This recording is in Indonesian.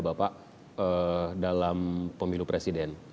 bapak dalam pemilu presiden